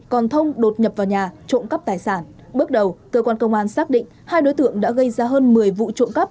còn thông đột nhập vào nhà trộm cắp tài sản bước đầu cơ quan công an xác định hai đối tượng đã gây ra hơn một mươi vụ trộm cắp